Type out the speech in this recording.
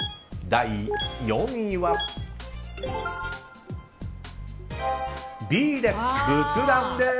第４位は、Ｂです。